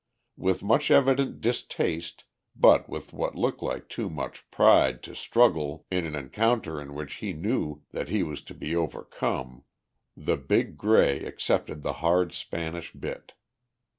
With much evident distaste but with what looked like too much pride to struggle in an encounter in which he knew that he was to be overcome, the big grey accepted the hard Spanish bit.